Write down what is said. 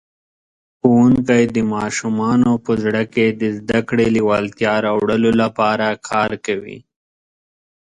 ښوونکی د ماشومانو په زړه کې د زده کړې لېوالتیا راوړلو لپاره کار کوي.